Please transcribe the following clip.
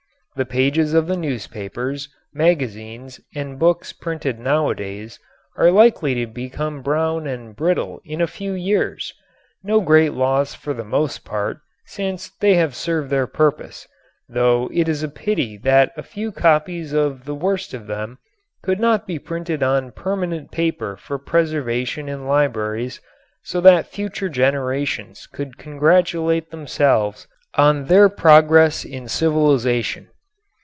The pages of the newspapers, magazines and books printed nowadays are likely to become brown and brittle in a few years, no great loss for the most part since they have served their purpose, though it is a pity that a few copies of the worst of them could not be printed on permanent paper for preservation in libraries so that future generations could congratulate themselves on their progress in civilization.